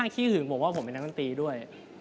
ขี้หึงผมว่าผมเป็นนักดนตรีด้วย